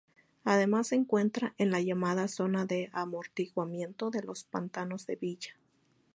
Además se encuentra en la llamada zona de amortiguamiento de Los Pantanos de Villa.